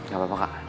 gak apa apa kak